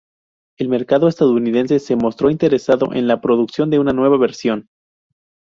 El mercado estadounidense se mostró interesado en la producción de una nueva versión.